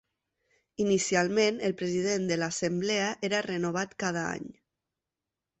Inicialment, el president de l'assemblea era renovat cada any.